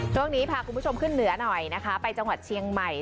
ช่วงนี้พาคุณผู้ชมขึ้นเหนือหน่อยนะคะไปจังหวัดเชียงใหม่